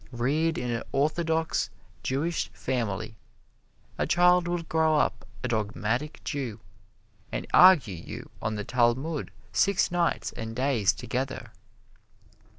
Reared in an orthodox Jewish family a child will grow up a dogmatic Jew, and argue you on the Talmud six nights and days together.